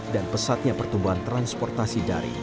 dan pesatnya pertumbuhan transportasi dari